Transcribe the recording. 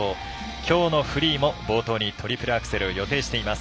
きょうのフリーも冒頭にトリプルアクセルを予定しています。